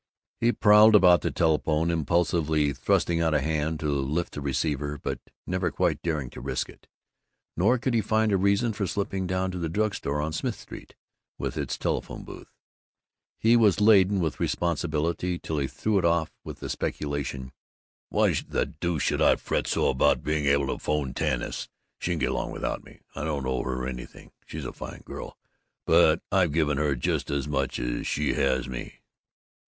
He prowled about the telephone, impulsively thrusting out a hand to lift the receiver, but never quite daring to risk it. Nor could he find a reason for slipping down to the drug store on Smith Street, with its telephone booth. He was laden with responsibility till he threw it off with the speculation: "Why the deuce should I fret so about not being able to 'phone Tanis? She can get along without me. I don't owe her anything. She's a fine girl, but I've given her just as much as she has me....